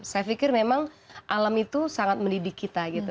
saya pikir memang alam itu sangat mendidik kita gitu